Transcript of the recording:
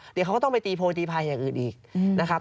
เดี๋ยวเขาก็ต้องไปตีโพยตีภัยอย่างอื่นอีกนะครับ